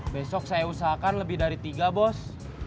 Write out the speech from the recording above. besok saya usahakan lebih dari tiga bos